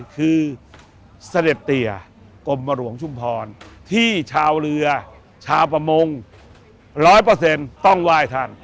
คือเสด็จเตียกลมหลวงชุมพรที่ชาวเรือชาวประมงร้อยเปอร์เซ็นต์ต้องไวทัน